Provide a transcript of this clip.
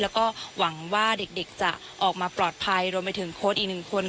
แล้วก็หวังว่าเด็กจะออกมาปลอดภัยรวมไปถึงโค้ดอีกหนึ่งคน